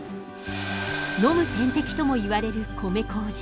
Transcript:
「飲む点滴」ともいわれる米麹。